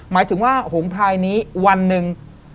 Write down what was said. หมายถึงว่าหงพลายนี้วันหนึ่ง